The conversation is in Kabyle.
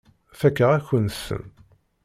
Fakeɣ-akent-ten.